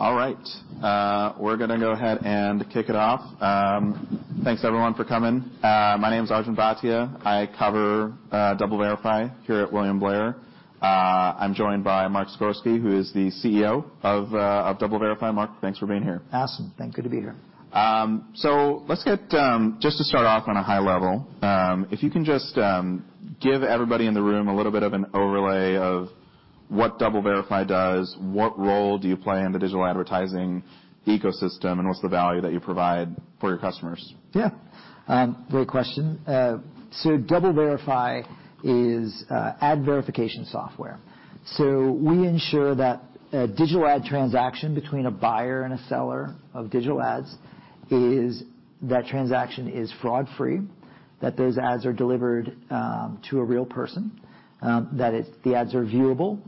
All right. We're going to go ahead and kick it off. Thanks, everyone, for coming. My name is Arjun Bhatia. I cover DoubleVerify here at William Blair. I'm joined by Mark Zagorski, who is the CEO of DoubleVerify. Mark, thanks for being here. Awesome. Thanks. Good to be here. Let's get, just to start off on a high level, if you can just give everybody in the room a little bit of an overlay of what DoubleVerify does, what role do you play in the digital advertising ecosystem, and what's the value that you provide for your customers? Yeah. Great question. So DoubleVerify is ad verification software. So we ensure that a digital ad transaction between a buyer and a seller of digital ads is fraud-free, that those ads are delivered to a real person, that the ads are viewable,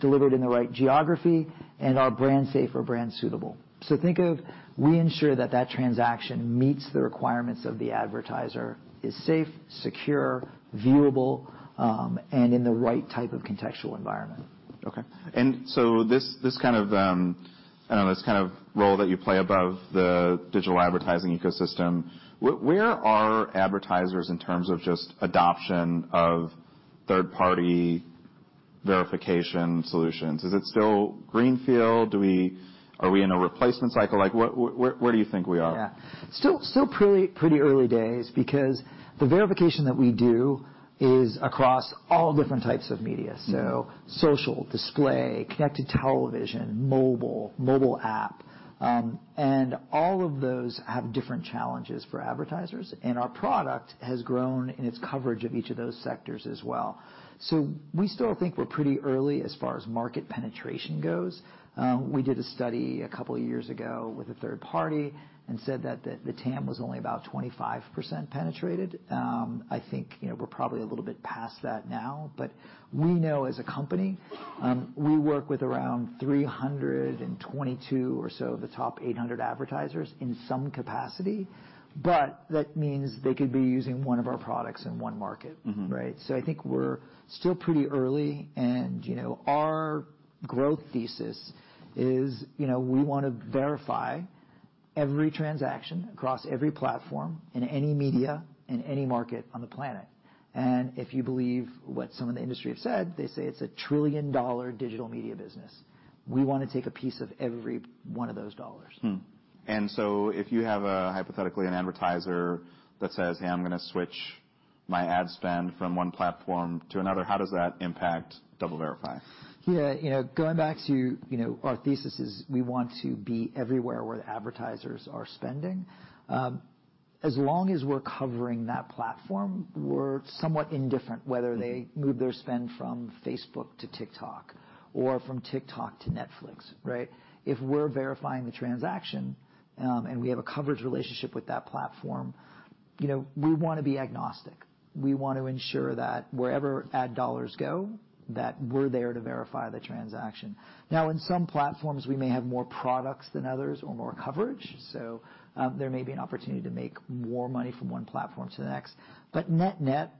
delivered in the right geography, and are brand safe or brand suitable. So think of we ensure that transaction meets the requirements of the advertiser, is safe, secure, viewable, and in the right type of contextual environment. OK. And so, I don't know, this kind of role that you play above the digital advertising ecosystem, where are advertisers in terms of just adoption of third-party verification solutions? Is it still greenfield? Are we in a replacement cycle? Where do you think we are? Yeah. Still pretty early days, because the verification that we do is across all different types of media. So social, display, connected television, mobile, mobile app. And all of those have different challenges for advertisers. And our product has grown in its coverage of each of those sectors as well. So we still think we're pretty early as far as market penetration goes. We did a study a couple of years ago with a third party and said that the TAM was only about 25% penetrated. I think we're probably a little bit past that now. But we know, as a company, we work with around 322 or so of the top 800 advertisers in some capacity. But that means they could be using one of our products in one market. So I think we're still pretty early. And our growth thesis is we want to verify every transaction across every platform in any media in any market on the planet. And if you believe what some of the industry have said, they say it's a trillion-dollar digital media business. We want to take a piece of every one of those dollars. And so if you have, hypothetically, an advertiser that says, hey, I'm going to switch my ad spend from one platform to another, how does that impact DoubleVerify? Yeah. Going back to our thesis is we want to be everywhere where the advertisers are spending. As long as we're covering that platform, we're somewhat indifferent whether they move their spend from Facebook to TikTok or from TikTok to Netflix. If we're verifying the transaction and we have a coverage relationship with that platform, we want to be agnostic. We want to ensure that wherever ad dollars go, that we're there to verify the transaction. Now, in some platforms, we may have more products than others or more coverage. So there may be an opportunity to make more money from one platform to the next. But net-net,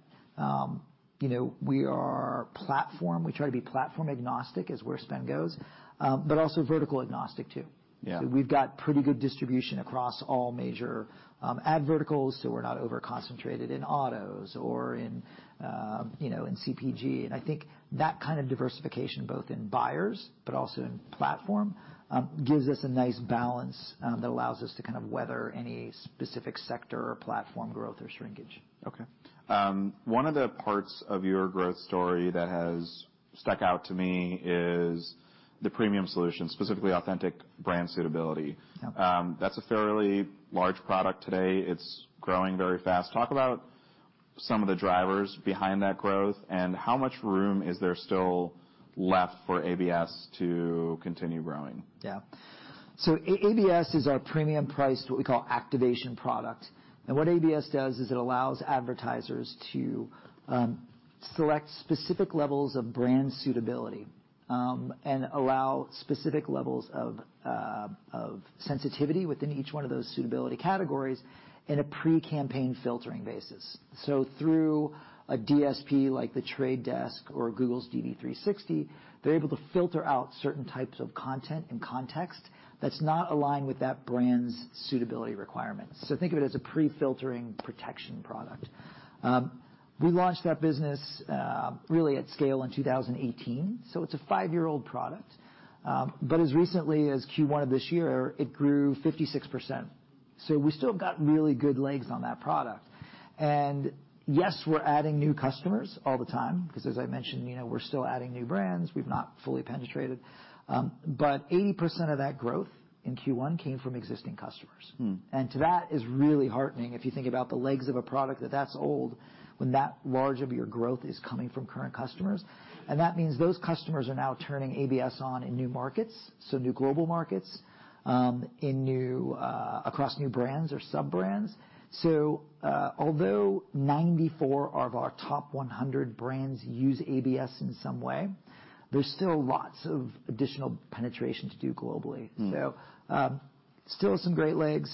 we are platform. We try to be platform agnostic as where spend goes, but also vertical agnostic, too. So we've got pretty good distribution across all major ad verticals. So we're not overconcentrated in autos or in CPG. And I think that kind of diversification, both in buyers but also in platform, gives us a nice balance that allows us to kind of weather any specific sector or platform growth or shrinkage. Okay. One of the parts of your growth story that has stuck out to me is the premium solution, specifically Authentic Brand Suitability. That's a fairly large product today. It's growing very fast. Talk about some of the drivers behind that growth, and how much room is there still left for ABS to continue growing? Yeah, so ABS is our premium-priced, what we call, activation product, and what ABS does is it allows advertisers to select specific levels of brand suitability and allow specific levels of sensitivity within each one of those suitability categories in a pre-campaign filtering basis, so through a DSP like The Trade Desk or Google's DV360, they're able to filter out certain types of content and context that's not aligned with that brand's suitability requirements, so think of it as a pre-filtering protection product. We launched that business, really, at scale in 2018, so it's a five-year-old product but as recently as Q1 of this year, it grew 56%, so we still have got really good legs on that product, and yes, we're adding new customers all the time, because, as I mentioned, we're still adding new brands. We've not fully penetrated. 80% of that growth in Q1 came from existing customers. To that is really heartening if you think about the legs of a product that’s old when that large of your growth is coming from current customers. That means those customers are now turning ABS on in new markets, so new global markets, across new brands or sub-brands. Although 94 of our top 100 brands use ABS in some way, there’s still lots of additional penetration to do globally. Still some great legs.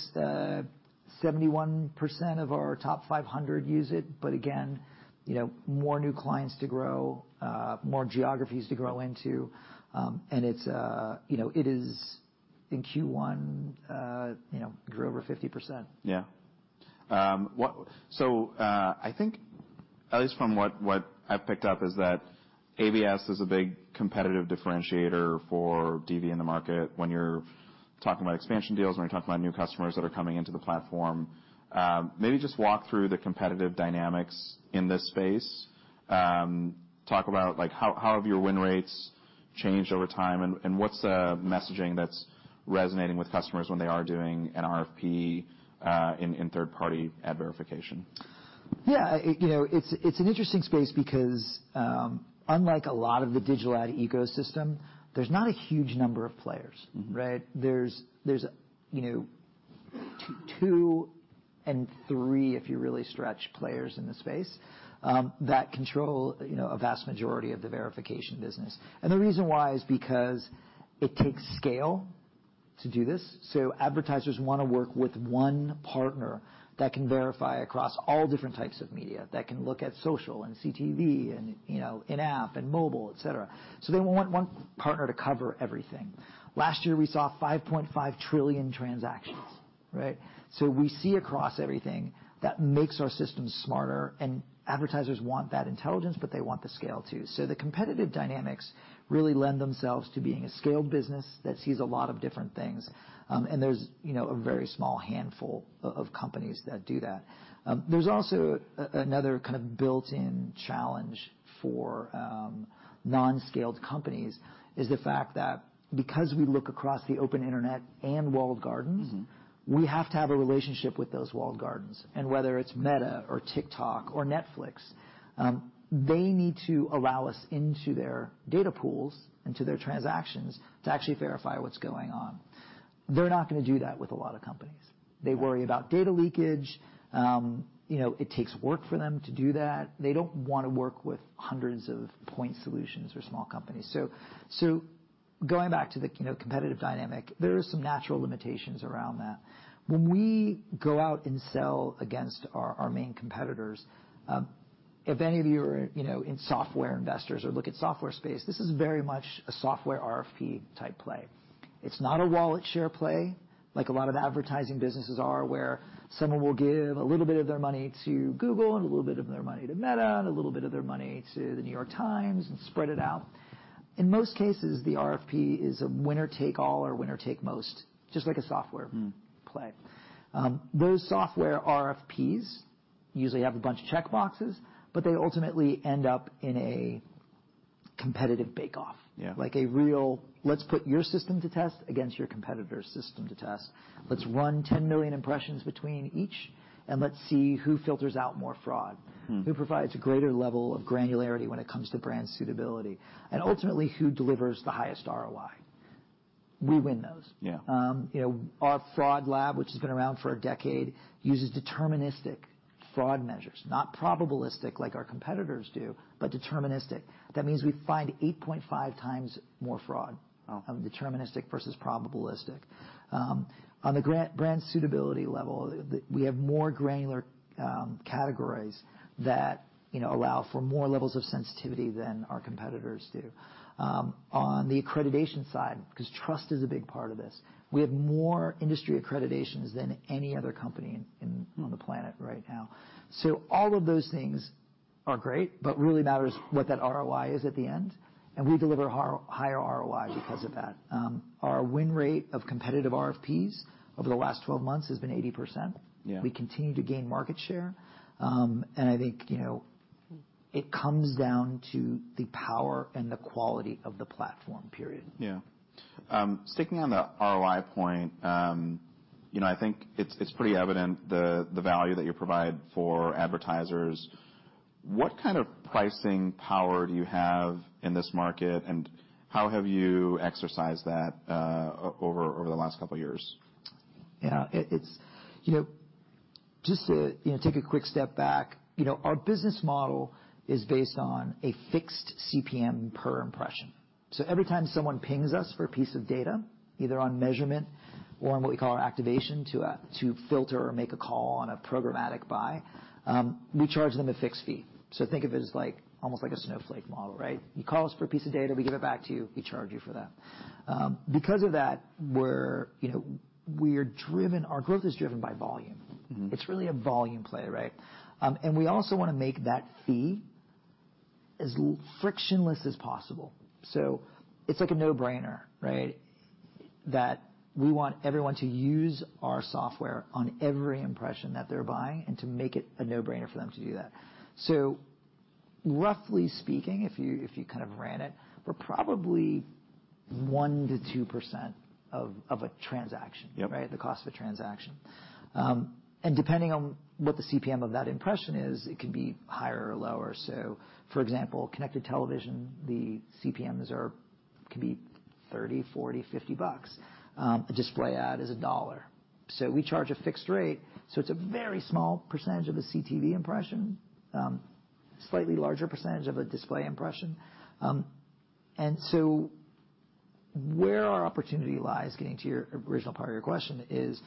71% of our top 500 use it. Again, more new clients to grow, more geographies to grow into. It, in Q1, grew over 50%. Yeah. So I think, at least from what I've picked up, is that ABS is a big competitive differentiator for DV in the market when you're talking about expansion deals, when you're talking about new customers that are coming into the platform. Maybe just walk through the competitive dynamics in this space. Talk about how have your win rates changed over time, and what's the messaging that's resonating with customers when they are doing an RFP in third-party ad verification? Yeah. It's an interesting space because, unlike a lot of the digital ad ecosystem, there's not a huge number of players. There's two and three, if you really stretch, players in the space that control a vast majority of the verification business. And the reason why is because it takes scale to do this. So advertisers want to work with one partner that can verify across all different types of media, that can look at social and CTV and in-app and mobile, et cetera. So they want one partner to cover everything. Last year, we saw 5.5 trillion transactions. So we see across everything that makes our systems smarter. And advertisers want that intelligence, but they want the scale, too. So the competitive dynamics really lend themselves to being a scaled business that sees a lot of different things. And there's a very small handful of companies that do that. There's also another kind of built-in challenge for non-scaled companies is the fact that because we look across the open internet and walled gardens, we have to have a relationship with those walled gardens, and whether it's Meta or TikTok or Netflix, they need to allow us into their data pools and to their transactions to actually verify what's going on. They're not going to do that with a lot of companies. They worry about data leakage. It takes work for them to do that. They don't want to work with hundreds of point solutions or small companies, so going back to the competitive dynamic, there are some natural limitations around that. When we go out and sell against our main competitors, if any of you are software investors or look at the software space, this is very much a software RFP-type play. It's not a wallet share play, like a lot of advertising businesses are, where someone will give a little bit of their money to Google and a little bit of their money to Meta and a little bit of their money to The New York Times and spread it out. In most cases, the RFP is a winner-take-all or winner-take-most, just like a software play. Those software RFPs usually have a bunch of checkboxes, but they ultimately end up in a competitive bake-off, like a real, let's put your system to test against your competitor's system to test. Let's run 10 million impressions between each, and let's see who filters out more fraud, who provides a greater level of granularity when it comes to brand suitability, and ultimately, who delivers the highest ROI. We win those. Our fraud lab, which has been around for a decade, uses deterministic fraud measures, not probabilistic like our competitors do, but deterministic. That means we find 8.5 times more fraud on deterministic versus probabilistic. On the brand suitability level, we have more granular categories that allow for more levels of sensitivity than our competitors do. On the accreditation side, because trust is a big part of this, we have more industry accreditations than any other company on the planet right now. So all of those things are great, but it really matters what that ROI is at the end. And we deliver higher ROI because of that. Our win rate of competitive RFPs over the last 12 months has been 80%. We continue to gain market share. And I think it comes down to the power and the quality of the platform, period. Yeah. Sticking on the ROI point, I think it's pretty evident the value that you provide for advertisers. What kind of pricing power do you have in this market, and how have you exercised that over the last couple of years? Yeah. Just to take a quick step back, our business model is based on a fixed CPM per impression. So every time someone pings us for a piece of data, either on measurement or on what we call our activation to filter or make a call on a programmatic buy, we charge them a fixed fee. So think of it as like almost like a Snowflake model. You call us for a piece of data, we give it back to you. We charge you for that. Because of that, we are driven. Our growth is driven by volume. It's really a volume play. And we also want to make that fee as frictionless as possible. So it's like a no-brainer that we want everyone to use our software on every impression that they're buying and to make it a no-brainer for them to do that. So roughly speaking, if you kind of ran it, we're probably 1%-2% of a transaction, the cost of a transaction. And depending on what the CPM of that impression is, it can be higher or lower. So for example, connected television, the CPMs can be $30-$50. A display ad is $1. So we charge a fixed rate. So it's a very small percentage of a CTV impression, a slightly larger percentage of a display impression. And so where our opportunity lies, getting to your original part of your question, is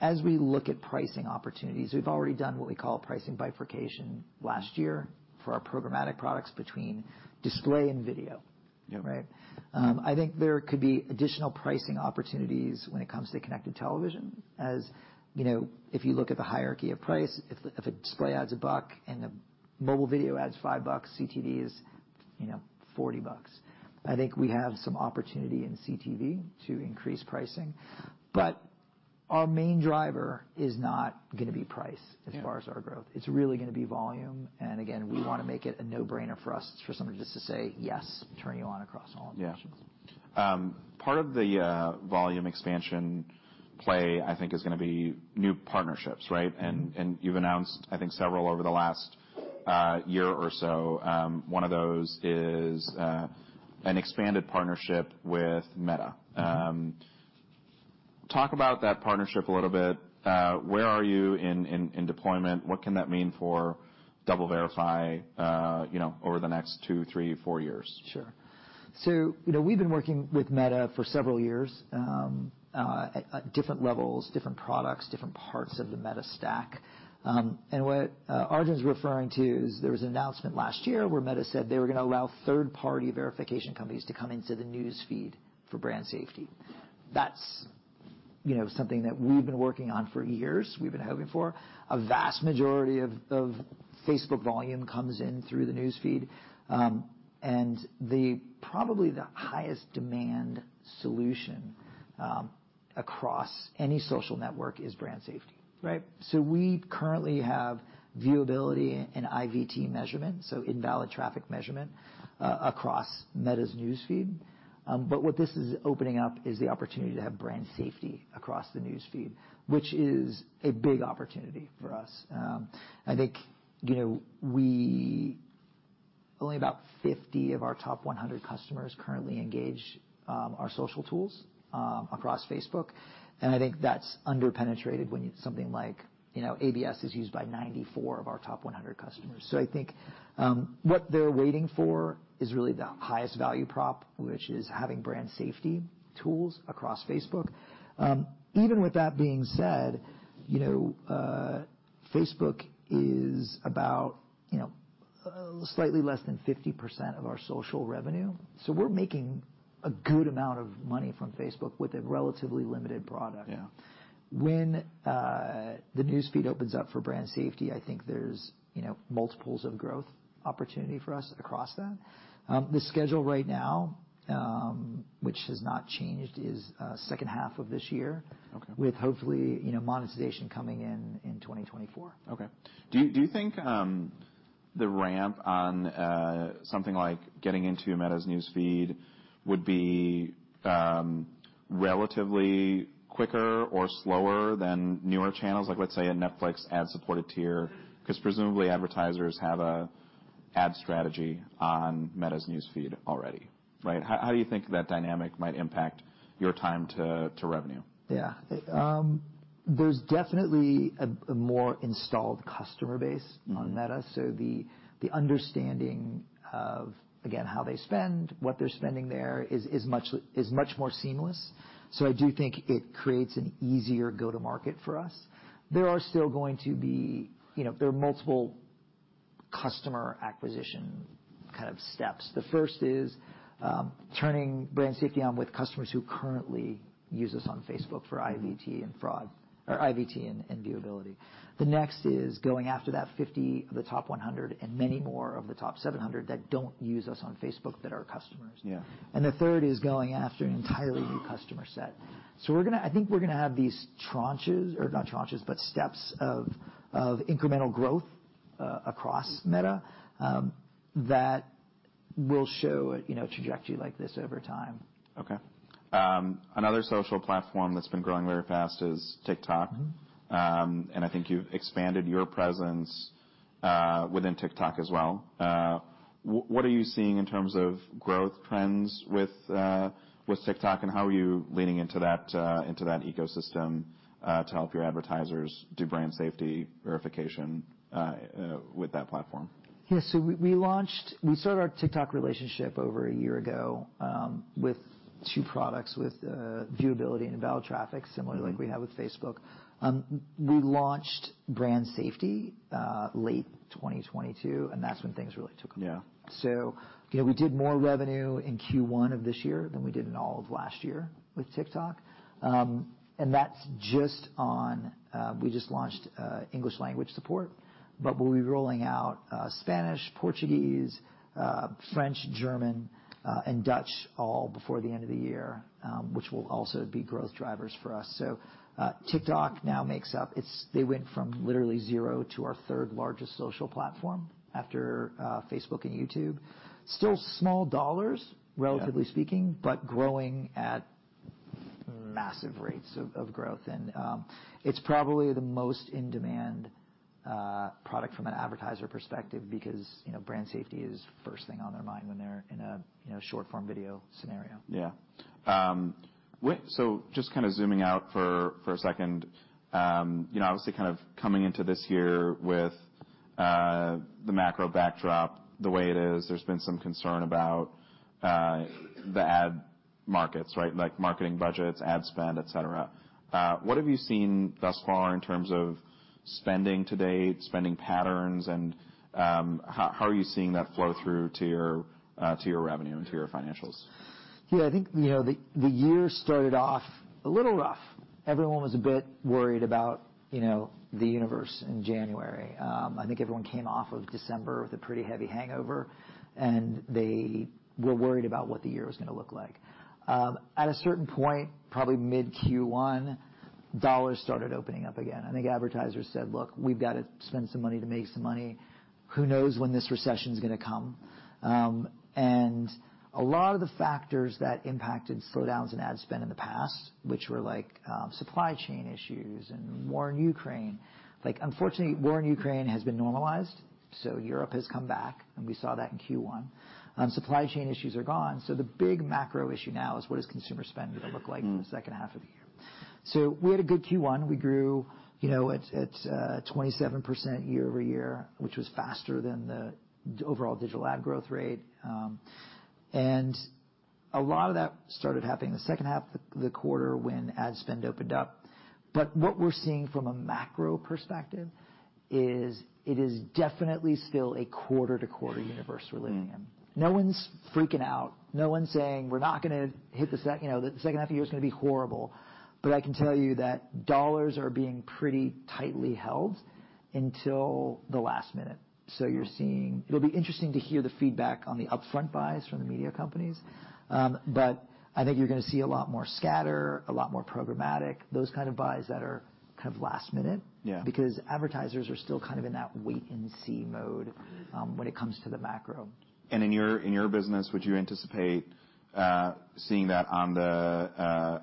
as we look at pricing opportunities, we've already done what we call pricing bifurcation last year for our programmatic products between display and video. I think there could be additional pricing opportunities when it comes to connected television. If you look at the hierarchy of price, if a display ad's $1 and a mobile video ad's $5, CTV is $40, I think we have some opportunity in CTV to increase pricing. But our main driver is not going to be price as far as our growth. It's really going to be volume. And again, we want to make it a no-brainer for us for someone just to say yes, turn you on across all impressions. Yeah. Part of the volume expansion play, I think, is going to be new partnerships. And you've announced, I think, several over the last year or so. One of those is an expanded partnership with Meta. Talk about that partnership a little bit. Where are you in deployment? What can that mean for DoubleVerify over the next two, three, four years? Sure, so we've been working with Meta for several years at different levels, different products, different parts of the Meta stack, and what Arjun's referring to is there was an announcement last year where Meta said they were going to allow third-party verification companies to come into the News Feed for brand safety. That's something that we've been working on for years. We've been hoping for. A vast majority of Facebook volume comes in through the News Feed, and probably the highest demand solution across any social network is brand safety. So we currently have viewability and IVT measurement, so invalid traffic measurement, across Meta's News Feed. But what this is opening up is the opportunity to have brand safety across the News Feed, which is a big opportunity for us. I think only about 50 of our top 100 customers currently engage our social tools across Facebook. I think that's underpenetrated when something like ABS is used by 94 of our top 100 customers. So I think what they're waiting for is really the highest value prop, which is having brand safety tools across Facebook. Even with that being said, Facebook is about slightly less than 50% of our social revenue. So we're making a good amount of money from Facebook with a relatively limited product. When the News Feed opens up for brand safety, I think there's multiples of growth opportunity for us across that. The schedule right now, which has not changed, is second half of this year, with hopefully monetization coming in 2024. OK. Do you think the ramp on something like getting into Meta's News Feed would be relatively quicker or slower than newer channels, like let's say a Netflix ad-supported tier? Because presumably advertisers have an ad strategy on Meta's News Feed already. How do you think that dynamic might impact your time to revenue? Yeah. There's definitely a more installed customer base on Meta. So the understanding of, again, how they spend, what they're spending there is much more seamless. So I do think it creates an easier go-to-market for us. There are still going to be multiple customer acquisition kind of steps. The first is turning brand safety on with customers who currently use us on Facebook for IVT and viewability. The next is going after that 50 of the top 100 and many more of the top 700 that don't use us on Facebook that are customers. And the third is going after an entirely new customer set. So I think we're going to have these tranches, or not tranches, but steps of incremental growth across Meta that will show a trajectory like this over time. OK. Another social platform that's been growing very fast is TikTok. And I think you've expanded your presence within TikTok as well. What are you seeing in terms of growth trends with TikTok, and how are you leaning into that ecosystem to help your advertisers do brand safety verification with that platform? Yeah. So we started our TikTok relationship over a year ago with two products, with viewability and invalid traffic, similar like we have with Facebook. We launched brand safety late 2022, and that's when things really took off. So we did more revenue in Q1 of this year than we did in all of last year with TikTok. And that's just on. We just launched English language support. But we'll be rolling out Spanish, Portuguese, French, German, and Dutch all before the end of the year, which will also be growth drivers for us. So TikTok now makes up. They went from literally zero to our third largest social platform after Facebook and YouTube. Still small dollars, relatively speaking, but growing at massive rates of growth. It's probably the most in-demand product from an advertiser perspective because brand safety is the first thing on their mind when they're in a short-form video scenario. Yeah. So just kind of zooming out for a second, obviously kind of coming into this year with the macro backdrop, the way it is, there's been some concern about the ad markets, like marketing budgets, ad spend, et cetera. What have you seen thus far in terms of spending to date, spending patterns, and how are you seeing that flow through to your revenue and to your financials? Yeah. I think the year started off a little rough. Everyone was a bit worried about the universe in January. I think everyone came off of December with a pretty heavy hangover, and they were worried about what the year was going to look like. At a certain point, probably mid-Q1, dollars started opening up again. I think advertisers said, look, we've got to spend some money to make some money. Who knows when this recession is going to come, and a lot of the factors that impacted slowdowns in ad spend in the past, which were like supply chain issues and war in Ukraine, unfortunately, war in Ukraine has been normalized, so Europe has come back, and we saw that in Q1. Supply chain issues are gone. So the big macro issue now is what is consumer spend going to look like in the second half of the year? So we had a good Q1. We grew at 27% year over year, which was faster than the overall digital ad growth rate. And a lot of that started happening in the second half of the quarter when ad spend opened up. But what we're seeing from a macro perspective is it is definitely still a quarter-to-quarter universe we're living in. No one's freaking out. No one's saying, we're not going to hit the second half of the year is going to be horrible. But I can tell you that dollars are being pretty tightly held until the last minute. So it'll be interesting to hear the feedback on the upfront buys from the media companies. But I think you're going to see a lot more scatter, a lot more programmatic, those kind of buys that are kind of last minute because advertisers are still kind of in that wait-and-see mode when it comes to the macro. And in your business, would you anticipate seeing that on the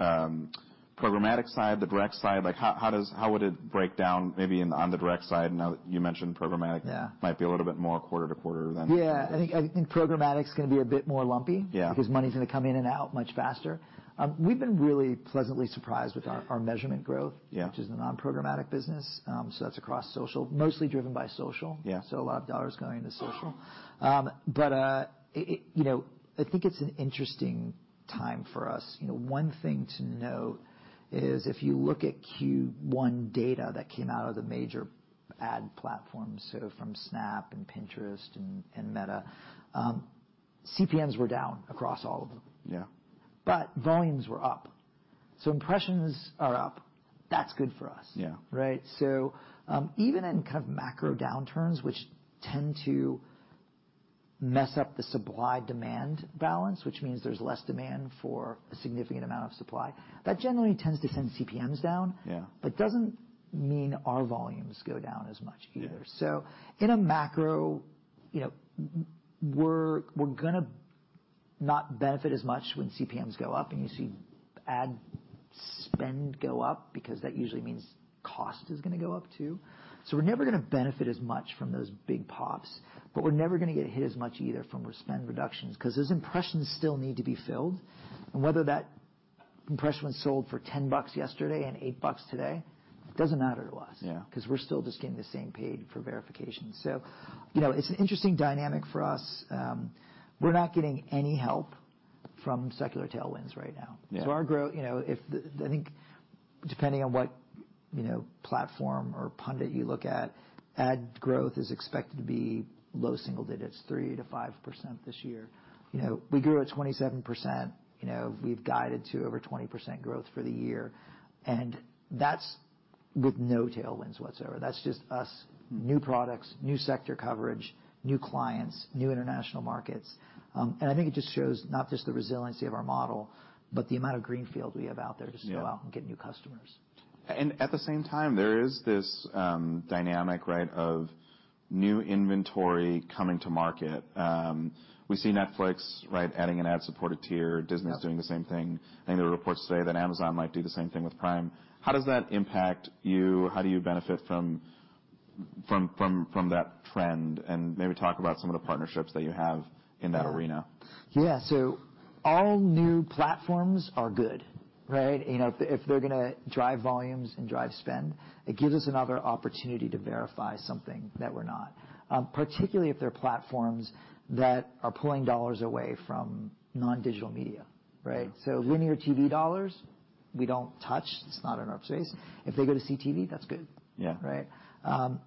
programmatic side, the direct side? How would it break down maybe on the direct side? Now that you mentioned programmatic, it might be a little bit more quarter-to-quarter than-. Yeah. I think programmatic is going to be a bit more lumpy because money is going to come in and out much faster. We've been really pleasantly surprised with our measurement growth, which is a non-programmatic business. So that's across social, mostly driven by social. So a lot of dollars going into social. But I think it's an interesting time for us. One thing to note is if you look at Q1 data that came out of the major ad platforms, so from Snap and Pinterest and Meta, CPMs were down across all of them. But volumes were up. So impressions are up. That's good for us. So even in kind of macro downturns, which tend to mess up the supply-demand balance, which means there's less demand for a significant amount of supply, that generally tends to send CPMs down. But it doesn't mean our volumes go down as much either. So in a macro, we're going to not benefit as much when CPMs go up. And you see ad spend go up because that usually means cost is going to go up too. So we're never going to benefit as much from those big pops. But we're never going to get hit as much either from spend reductions because those impressions still need to be filled. And whether that impression was sold for $10 yesterday and $8 today, it doesn't matter to us because we're still just getting the same paid for verification. So it's an interesting dynamic for us. We're not getting any help from secular tailwinds right now. So I think depending on what platform or pundit you look at, ad growth is expected to be low single digits, 3%-5% this year. We grew at 27%. We've guided to over 20% growth for the year. And that's with no tailwinds whatsoever. That's just us, new products, new sector coverage, new clients, new international markets. And I think it just shows not just the resiliency of our model, but the amount of greenfield we have out there to still out and get new customers. And at the same time, there is this dynamic of new inventory coming to market. We see Netflix adding an ad-supported tier. Disney is doing the same thing. I think there were reports today that Amazon might do the same thing with Prime. How does that impact you? How do you benefit from that trend? And maybe talk about some of the partnerships that you have in that arena. Yeah. So all new platforms are good. If they're going to drive volumes and drive spend, it gives us another opportunity to verify something that we're not, particularly if they're platforms that are pulling dollars away from non-digital media. So linear TV dollars, we don't touch. It's not in our space. If they go to CTV, that's good.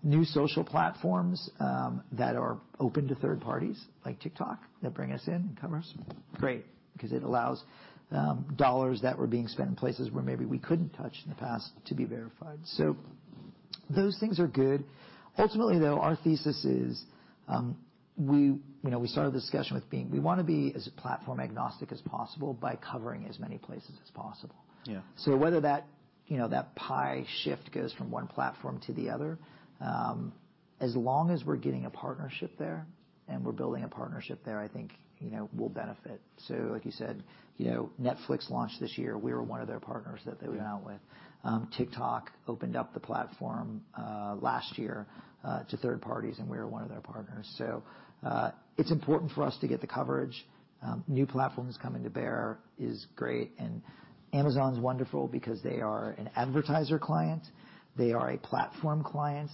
New social platforms that are open to third parties, like TikTok, that bring us in and cover us great because it allows dollars that were being spent in places where maybe we couldn't touch in the past to be verified. So those things are good. Ultimately, though, our thesis is we started the discussion with being we want to be as platform agnostic as possible by covering as many places as possible. So whether that pie shift goes from one platform to the other, as long as we're getting a partnership there and we're building a partnership there, I think we'll benefit. So like you said, Netflix launched this year. We were one of their partners that they went out with. TikTok opened up the platform last year to third parties, and we were one of their partners. So it's important for us to get the coverage. New platforms coming to bear is great. And Amazon is wonderful because they are an advertiser client. They are a platform client.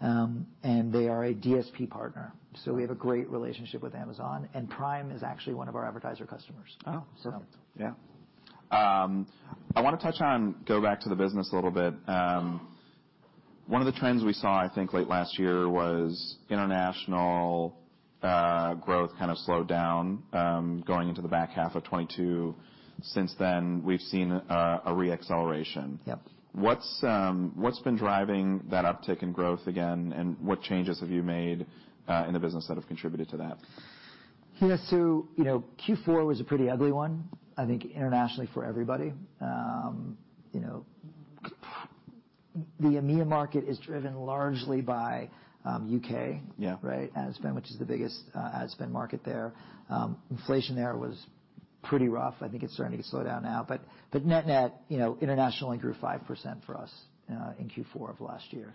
And they are a DSP partner. So we have a great relationship with Amazon. And Prime is actually one of our advertiser customers. Oh, cool. Yeah. I want to touch on, go back to the business a little bit. One of the trends we saw, I think, late last year was international growth kind of slowed down going into the back half of 2022. Since then, we've seen a re-acceleration. What's been driving that uptick in growth again? And what changes have you made in the business that have contributed to that? Yeah. So Q4 was a pretty ugly one, I think, internationally for everybody. The media market is driven largely by U.K. ad spend, which is the biggest ad spend market there. Inflation there was pretty rough. I think it's starting to slow down now. But net-net, international only grew 5% for us in Q4 of last year.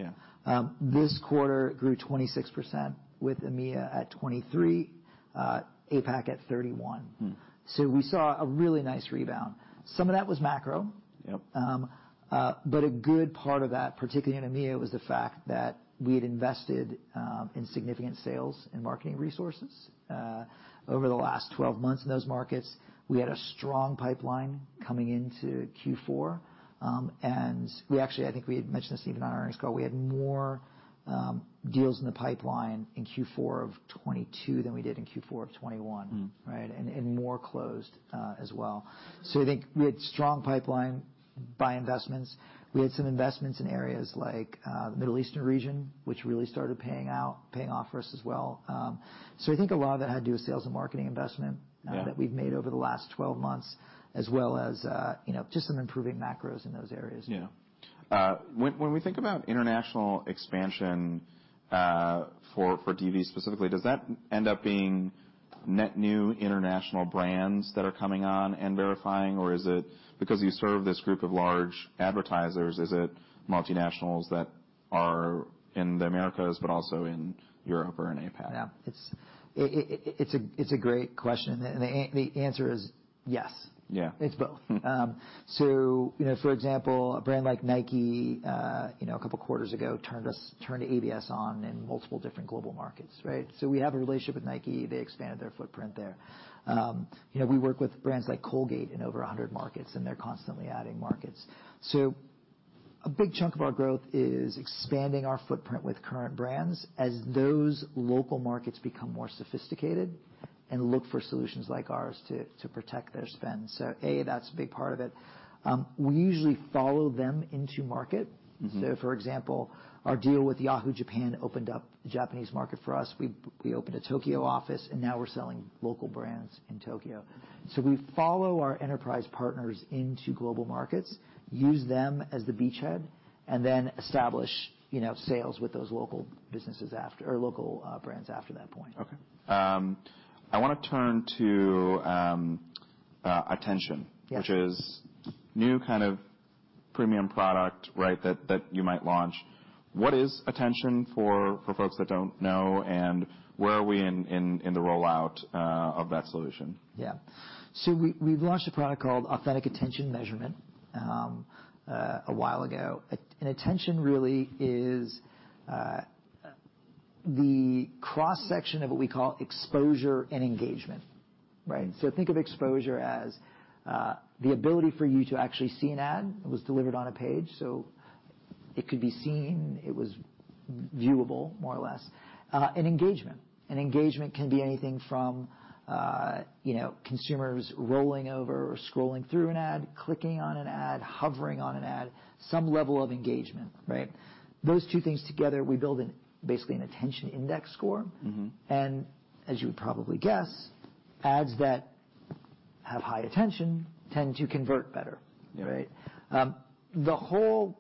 This quarter grew 26% with EMEA at 23%, APAC at 31%. So we saw a really nice rebound. Some of that was macro. But a good part of that, particularly in EMEA, was the fact that we had invested in significant sales and marketing resources over the last 12 months in those markets. We had a strong pipeline coming into Q4. We actually, I think we had mentioned this even on our earnings call. We had more deals in the pipeline in Q4 of 2022 than we did in Q4 of 2021 and more closed as well. I think we had a strong pipeline by investments. We had some investments in areas like the Middle Eastern region, which really started paying off for us as well. I think a lot of that had to do with sales and marketing investment that we've made over the last 12 months, as well as just some improving macros in those areas. Yeah. When we think about international expansion for TV specifically, does that end up being net new international brands that are coming on and verifying? Or is it because you serve this group of large advertisers, is it multinationals that are in the Americas but also in Europe or in APAC? Yeah. It's a great question, and the answer is yes. It's both, so for example, a brand like Nike, a couple of quarters ago, turned ABS on in multiple different global markets, so we have a relationship with Nike. They expanded their footprint there. We work with brands like Colgate in over 100 markets, and they're constantly adding markets, so a big chunk of our growth is expanding our footprint with current brands as those local markets become more sophisticated and look for solutions like ours to protect their spend, so A, that's a big part of it. We usually follow them into market, so for example, our deal with Yahoo Japan opened up the Japanese market for us. We opened a Tokyo office, and now we're selling local brands in Tokyo. So we follow our enterprise partners into global markets, use them as the beachhead, and then establish sales with those local businesses or local brands after that point. OK. I want to turn to attention, which is a new kind of premium product that you might launch. What is attention for folks that don't know? And where are we in the rollout of that solution? Yeah. So we've launched a product called Authentic Attention easurement a while ago. And attention really is the cross-section of what we call exposure and engagement. So think of exposure as the ability for you to actually see an ad that was delivered on a page. So it could be seen. It was viewable, more or less. And engagement can be anything from consumers rolling over or scrolling through an ad, clicking on an ad, hovering on an ad, some level of engagement. Those two things together, we build basically an attention index score. And as you would probably guess, ads that have high attention tend to convert better. The whole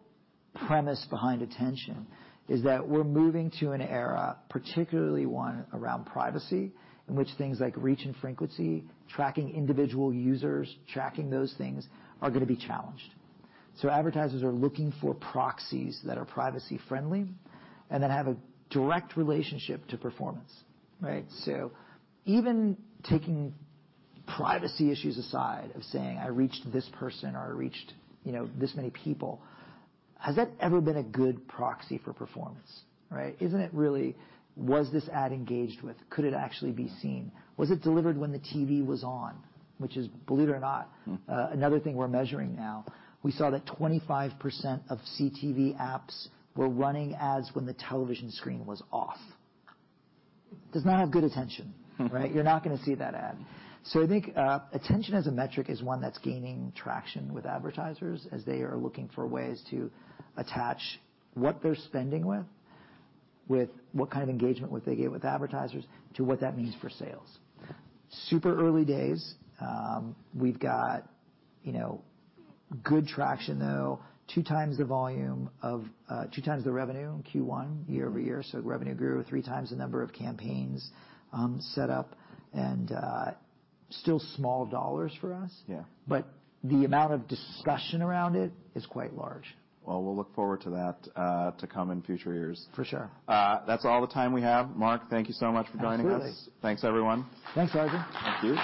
premise behind attention is that we're moving to an era, particularly one around privacy, in which things like reach and frequency, tracking individual users, tracking those things are going to be challenged. So advertisers are looking for proxies that are privacy-friendly and that have a direct relationship to performance. So even taking privacy issues aside of saying, I reached this person or I reached this many people, has that ever been a good proxy for performance? Isn't it really, was this ad engaged with? Could it actually be seen? Was it delivered when the TV was on? Which is, believe it or not, another thing we're measuring now. We saw that 25% of CTV apps were running ads when the television screen was off. Does not have good attention. You're not going to see that ad. So I think attention as a metric is one that's gaining traction with advertisers as they are looking for ways to attach what they're spending with, with what kind of engagement they get with advertisers, to what that means for sales. Super early days. We've got good traction, though, two times the volume of two times the revenue in Q1 year over year. So revenue grew three times the number of campaigns set up. And still small dollars for us. But the amount of discussion around it is quite large. We'll look forward to that to come in future years. For sure. That's all the time we have. Mark, thank you so much for us. Absolutely. Thanks, everyone. Thanks, Arjun. Thank you.